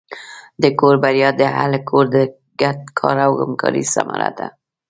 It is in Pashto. د کور بریا د اهلِ کور د ګډ کار او همکارۍ ثمره ده.